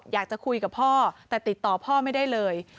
อยากจะคุยกับพ่อแต่ติดต่อพ่อไม่ได้เลย